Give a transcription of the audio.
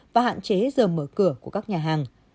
và hạn chế giờ mở cửa của các nhà hàng